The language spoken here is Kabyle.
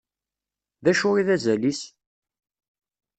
D acu i d azal-is?